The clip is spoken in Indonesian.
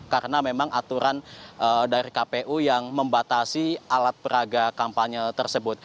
karena memang aturan dari kpu yang membatasi alat peraga kampanye